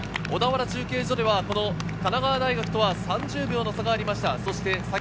小田原中継所では神奈川大学とは３０秒の差がありました。